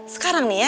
sekarang nih ya